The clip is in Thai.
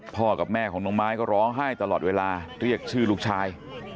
กับแม่ของน้องไม้ก็ร้องไห้ตลอดเวลาเรียกชื่อลูกชาย